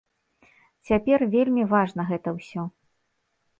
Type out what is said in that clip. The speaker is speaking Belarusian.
Цяпер вельмі важна гэта ўсё.